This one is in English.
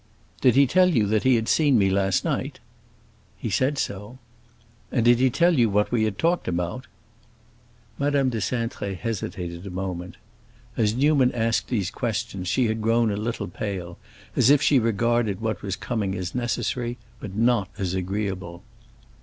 "Did he tell you that he had seen me last night?" "He said so." "And did he tell you what we had talked about?" Madame de Cintré hesitated a moment. As Newman asked these questions she had grown a little pale, as if she regarded what was coming as necessary, but not as agreeable.